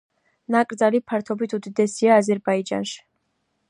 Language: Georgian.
ნაკრძალი ფართობით უდიდესია აზერბაიჯანში.